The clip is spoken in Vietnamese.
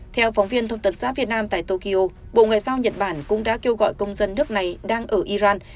theo phóng viên thông tật xã việt nam tại tokyo bộ ngoại giao nhật bản cũng đã kêu gọi công dân nước này đang ở iran